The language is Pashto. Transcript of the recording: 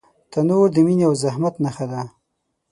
تنور د مینې او زحمت نښه ده